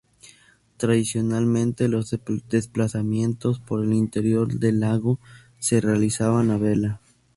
Tradicionalmente, los desplazamientos por el interior del lago se realizaban a vela.